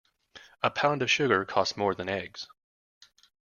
A pound of sugar costs more than eggs.